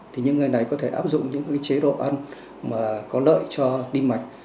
thì những người này có thể áp dụng những chế độ ăn mà có lợi cho tim mạch